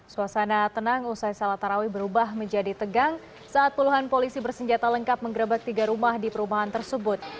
suasana tenang usai salat tarawih berubah menjadi tegang saat puluhan polisi bersenjata lengkap mengerebek tiga rumah di perumahan tersebut